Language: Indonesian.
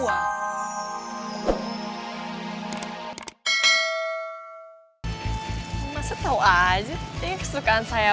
apa tuh maksudnya